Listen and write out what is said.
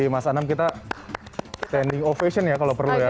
mas anam kita standing ovation ya kalau perlu ya